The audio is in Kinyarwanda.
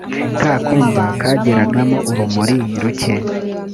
kakumba kageragamo urumuri ruke.